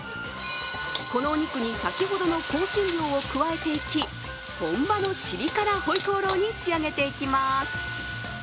このお肉に先ほどの香辛料を加えていき、本場のシビ辛回鍋肉に仕上げていきます。